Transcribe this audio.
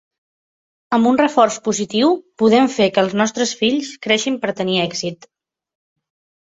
Amb un reforç positiu, podem fer que els nostres fills creixin per tenir èxit.